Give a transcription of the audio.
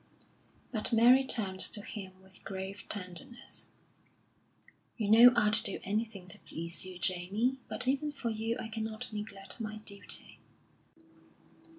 But Mary turned to him with grave tenderness. "You know I'd do anything to please you, Jamie. But even for you I cannot neglect my duty."